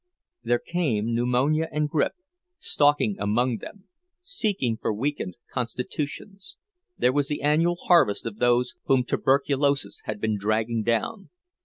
There came pneumonia and grippe, stalking among them, seeking for weakened constitutions; there was the annual harvest of those whom tuberculosis had been dragging down.